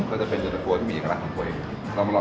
ก็จะเป็นเย็นตะกัวที่มีเอกลักษณ์ของตัวเองตลอด